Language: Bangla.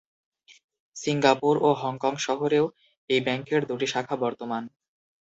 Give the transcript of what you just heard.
সিঙ্গাপুর ও হংকং শহরেও এই ব্যাংকের দুটি শাখা বর্তমান।